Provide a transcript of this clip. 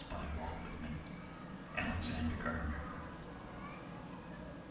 By Walt Whitman. (Alexander Gardner.)